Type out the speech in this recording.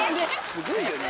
すごいよね。